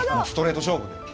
ストレート勝負。